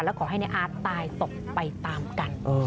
และขอให้ในอาร์ตตายตกไปตามกัน